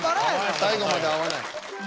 最後まで合わない。